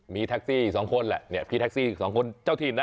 มีแท็กซี่๒คนแหละพี่แท็กซี่๒คนเจ้าถิ่นนะ